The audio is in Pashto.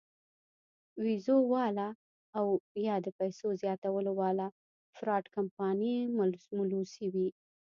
وېزو واله او يا د پېسو زياتولو واله فراډ کمپنيانې ملوثې وي -